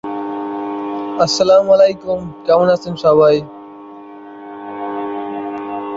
প্রস্তর যুগ ও ব্রোঞ্জ যুগের পরে লৌহ যুগের আবির্ভাব।